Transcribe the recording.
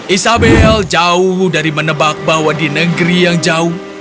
isabel jauh dari menebak bahwa di negeri yang jauh